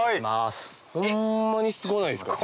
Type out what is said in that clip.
ホンマにすごないですか？